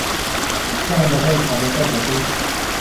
قسە لەگەڵ سەگەکەت دەکەیت؟